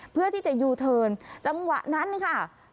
เพื่อที่จะยูเทิร์นจังหวะนั้นค่ะ